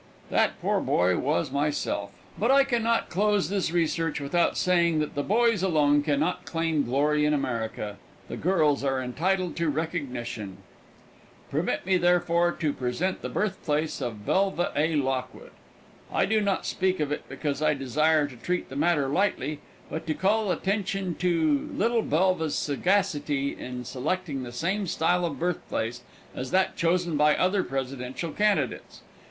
That poor boy was myself. But I can not close this research without saying that the boys alone can not claim the glory in America. The girls are entitled to recognition. Permit me, therefore, to present the birthplace of Belva A. Lockwood. I do not speak of it because I desire to treat the matter lightly, but to call attention to little Belva's sagacity in selecting the same style of birthplace as that chosen by other presidential candidates.